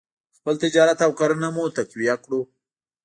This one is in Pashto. خپل تجارت او کرنه مو تقویه کړو.